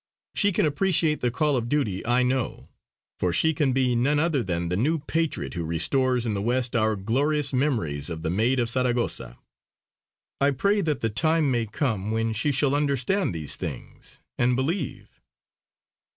She can appreciate the call of duty I know; for she can be none other than the new patriot who restores in the west our glorious memories of the Maid of Saragossa. I pray that the time may come when she shall understand these things and believe!"